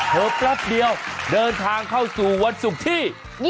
เหิดรักเดียวเดินทางเข้าสู่วันสุขที่